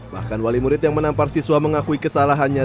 bahkan wali murid yang menampar siswa mengakui kesalahannya